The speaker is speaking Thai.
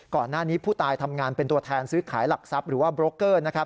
ก่อนหน้านี้ผู้ตายทำงานเป็นตัวแทนซื้อขายหลักทรัพย์หรือว่าโบรกเกอร์นะครับ